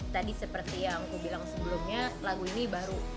tadi seperti yang aku bilang sebelumnya lagu ini baru